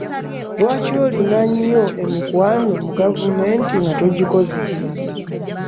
Lwaki olina nnyo emikwano mu gavumenti nga togikozesa.